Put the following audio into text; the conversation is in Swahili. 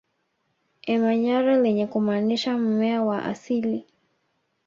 Emanyara lenye kumaanisha mmea wa asili